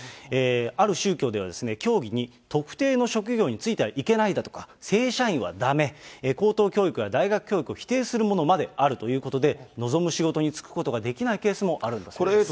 ある宗教では、教義に特定の職業に就いてはいけないんだとか、正社員はだめ、高等教育や大学教育を否定するものまであるということで、望む仕事に就くことができないケースもあるんだそうです。